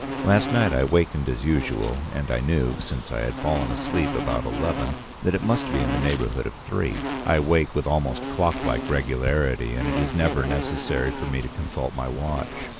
Last night I wakened as usual, and I knew, since I had fallen asleep about eleven, that it must be in the neighborhood of three. I wake with almost clock like regularity and it is never necessary for me to consult my watch.